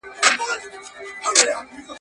که یوه شېبه وي پاته په خوښي کي دي تیریږي.